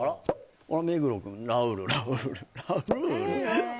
目黒くん「ラウール」「ラウール」ラウール？